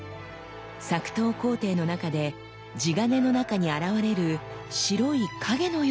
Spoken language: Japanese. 作刀工程の中で地鉄の中に現れる白い影のようなものです。